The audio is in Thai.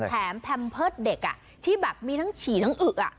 แถมแพมเพิร์ตเด็กอ่ะที่แบบมีทั้งฉีดทั้งอึ๊กอ่ะ